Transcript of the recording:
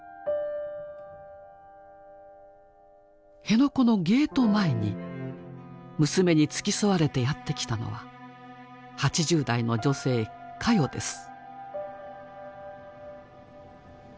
辺野古のゲート前に娘に付き添われてやって来たのは８０代の女性「カヨ」です。